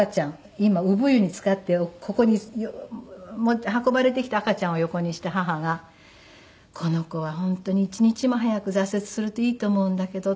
今産湯につかってここに運ばれてきた赤ちゃんを横にして母が「この子は本当に一日も早く挫折するといいと思うんだけど」